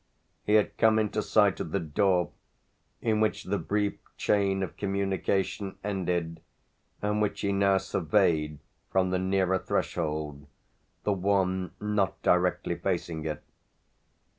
He had come into sight of the door in which the brief chain of communication ended and which he now surveyed from the nearer threshold, the one not directly facing it.